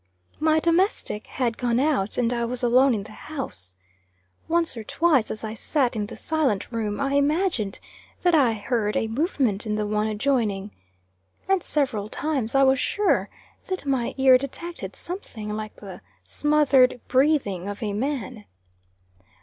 My domestic had gone out, and I was alone in the house. Once or twice, as I sat in the silent room, I imagined that I heard a movement in the one adjoining. And several times I was sure that my ear detected something like the smothered breathing of a man.